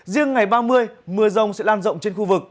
riêng ngày ba mươi mưa rông sẽ lan rộng trên khu vực